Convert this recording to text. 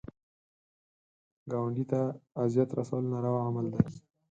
ګاونډي ته اذیت رسول ناروا عمل دی